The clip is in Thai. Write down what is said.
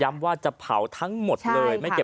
ย้ำว่าจะเผาทั้งหมดเลยไม่เก็บเอาไว้เลย